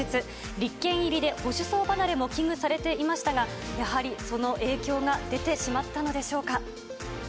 立憲入りで保守層離れも危惧されていましたが、やはりその影響が出てしまったのでしょうか。